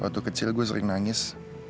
waktu kecil gue sering nangis